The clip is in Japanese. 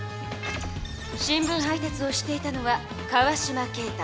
新聞配達をしていたのは川島圭太。